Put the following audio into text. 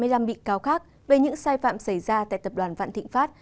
và tám mươi năm bị cáo khác về những sai phạm xảy ra tại tập đoàn vạn thịnh pháp